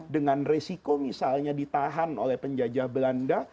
dengan resiko misalnya ditahan oleh penjajah belanda